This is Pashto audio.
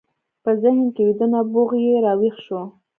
په ذهن کې ويده نبوغ يې را ويښ شو.